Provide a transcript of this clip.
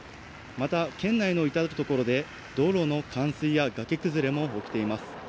また県内のいたるところで道路の冠水や崖崩れも起きています。